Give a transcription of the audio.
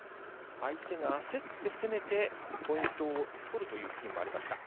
相手が焦って攻めて、ポイントを取るというシーンもありました。